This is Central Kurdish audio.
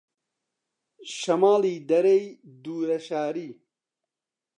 شەماڵی دەرەی دوورە شاری